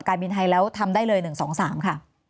คุณบรรยงค่ะ